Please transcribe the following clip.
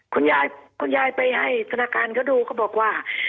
คุณยายคุณยายไปให้ธนาคารเขาดูเขาบอกว่า